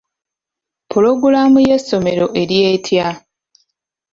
Pulogulaamu y'essomero eri etya?